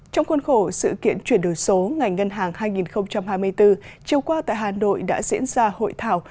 trong khuôn khổ sự kiện chuyển đổi số ngày ngân hàng hai nghìn hai mươi bốn chiều qua tại hà nội đã diễn ra hội thảo